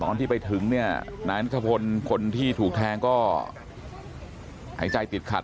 ตอนที่ไปถึงเนี่ยนายนัทพลคนที่ถูกแทงก็หายใจติดขัด